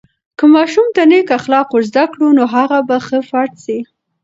که ماشوم ته نیک اخلاق ورزده کړو، نو هغه به ښه فرد سي.